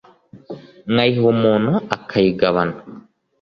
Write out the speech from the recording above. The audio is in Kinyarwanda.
Nkayiha umuntu akayigabana,